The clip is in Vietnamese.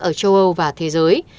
ở châu âu và thế giới